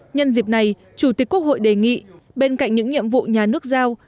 nhân dịp này chủ tịch quốc hội đề nghị bên cạnh những nhiệm vụ nhà nước giao